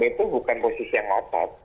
itu bukan posisi yang ngotot